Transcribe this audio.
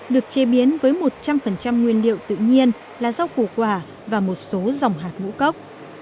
được chế biến với một trăm linh nguyên liệu tự nhiên là rau củ quả và một số dòng hạt ngũ cốc